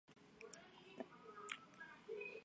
这是不同于需要用户输入数据的交互程序的概念。